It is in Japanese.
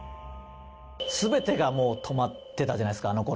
全てが止まってたじゃないですかあの頃。